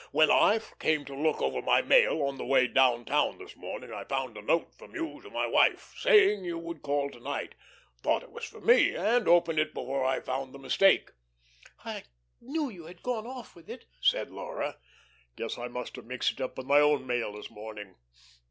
When I came to look over my mail on the way down town this morning, I found a note from you to my wife, saying you would call to night. Thought it was for me, and opened it before I found the mistake." "I knew you had gone off with it," said Laura. "Guess I must have mixed it up with my own mail this morning.